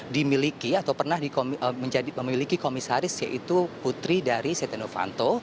dimiliki atau pernah memiliki komisaris yaitu putri dari setenofanto